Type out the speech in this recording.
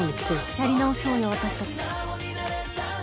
やり直そうよ私たち。